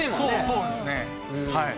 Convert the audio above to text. そうですねはい。